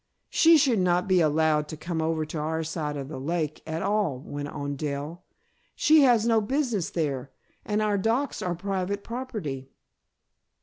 "She should not be allowed to come over to our side of the lake at all," went on Dell. "She has no business there and our docks are private property."